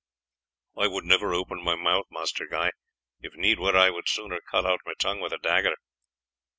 "I would never open my mouth, Master Guy; if need were I would sooner cut out my tongue with a dagger."